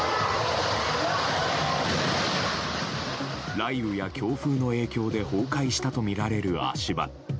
雷雨や強風の影響で崩壊したとみられる足場。